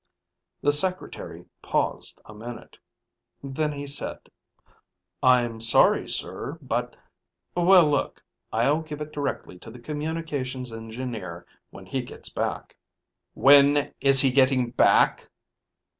The secretary paused a minute. Then he said, "I'm sorry, sir, but ... well, look. I'll give it directly to the Communications Engineer when he gets back." "When is he getting back?"